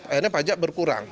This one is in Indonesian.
akhirnya pajak berkurang